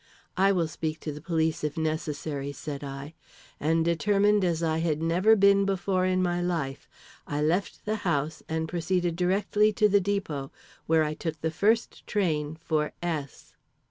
"I will speak to the police if necessary," said I. And determined as I had never been before in my life, I left the house and proceeded directly to the depot, where I took the first train for S